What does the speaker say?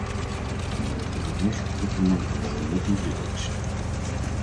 Bude to rovněž dokument velmi užitečný.